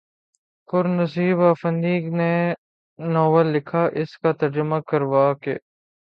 پر نسیب آفندی نے ناول لکھا، اس کا ترجمہ کروا کے